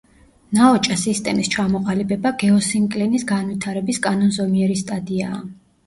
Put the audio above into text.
ნაოჭა სისტემის ჩამოყალიბება გეოსინკლინის განვითარების კანონზომიერი სტადიაა.